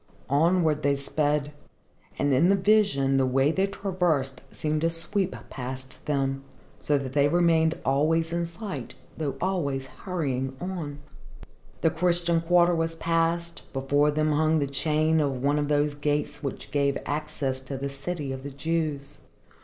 Onward they sped, and in the vision the way they traversed seemed to sweep past them, so that they remained always in sight though always hurrying on. The Christian quarter was passed; before them hung the chain of one of those gates which gave access to the city of the Jews.